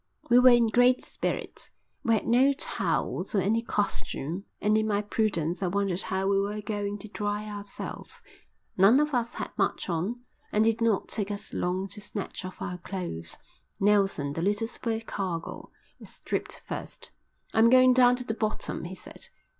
We were in great spirits. We had no towels or any costume and in my prudence I wondered how we were going to dry ourselves. None of us had much on and it did not take us long to snatch off our clothes. Nelson, the little supercargo, was stripped first. "I'm going down to the bottom," he said.